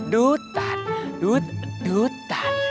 dud tan dud dud tan